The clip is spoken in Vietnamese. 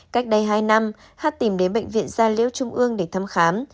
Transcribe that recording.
cách đây hai năm hát tìm đến bệnh viện gia liễu trung ương để thăm khám